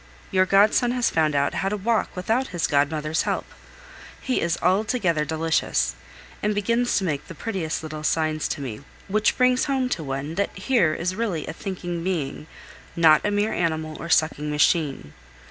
Your godson has found out how to walk without his godmother's help. He is altogether delicious, and begins to make the prettiest little signs to me, which bring home to one that here is really a thinking being, not a mere animal or sucking machine.